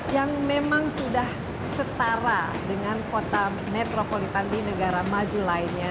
yang memang sudah setara dengan kota metropolitan di negara maju lainnya